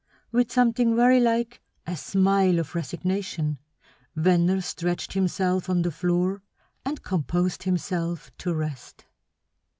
With something very like a smile of resignation Venner stretched himself on the floor and composed himself to rest.